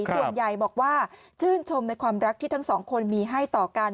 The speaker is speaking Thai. ส่วนใหญ่บอกว่าชื่นชมในความรักที่ทั้งสองคนมีให้ต่อกัน